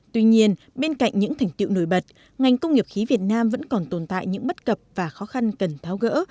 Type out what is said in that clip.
tuy nhiên bên cạnh những thành tiệu nổi bật ngành công nghiệp khí việt nam vẫn còn tồn tại những bất cập và khó khăn cần tháo gỡ